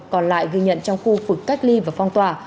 còn lại ghi nhận trong khu vực cách ly và phong tỏa